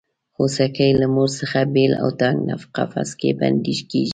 خوسکی له مور څخه بېل او تنګ قفس کې بندي کېږي.